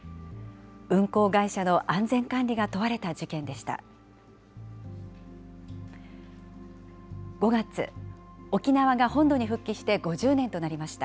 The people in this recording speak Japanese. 運航会社の安全管理が問われた事件でした。